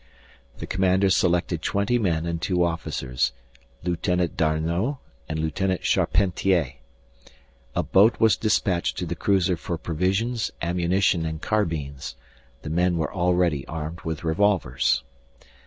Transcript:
The commander selected twenty men and two officers, Lieutenant D'Arnot and Lieutenant Charpentier. A boat was dispatched to the cruiser for provisions, ammunition, and carbines; the men were already armed with revolvers.